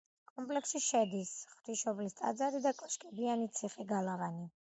კომპლექსში შედის: ღვთისმშობლის ტაძარი და კოშკებიანი ციხე-გალავანი.